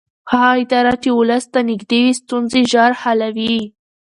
هغه اداره چې ولس ته نږدې وي ستونزې ژر حلوي